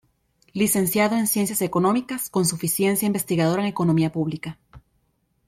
Licenciado en Ciencias Económicas, con suficiencia Investigadora en Economía Pública.